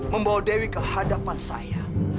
membawa dewi ke hadapan saya